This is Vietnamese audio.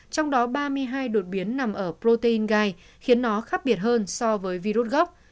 trong đó ba mươi hai đột biến nằm ở protein gai khiến nó khác biệt hơn so với virus gốc